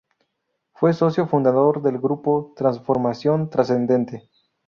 Fue socio fundador del grupo Transformación Trascendente.